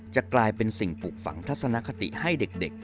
จะกลายเป็นสิ่งปลูกฝังทัศนคติให้เด็ก